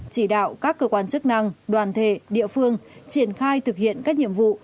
chỉ đạo các cơ quan chức năng đoàn thể địa phương triển khai thực hiện các nhiệm vụ